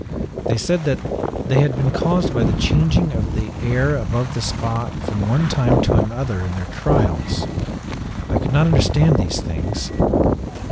They said that they had been caused by the changing of the air above the spot from the one time to the other in their trials. I could not understand these things.